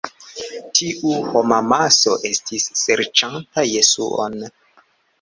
Tiu homamaso estis serĉanta Jesuon.